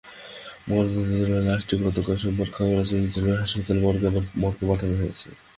ময়নাতদন্তের জন্য লাশটি গতকাল সোমবার খাগড়াছড়ি জেনারেল হাসপাতালের মর্গে পাঠানো হয়েছে।